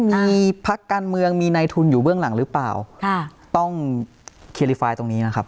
มีพักการเมืองมีในทุนอยู่เบื้องหลังหรือเปล่าค่ะต้องเคลิฟายตรงนี้นะครับ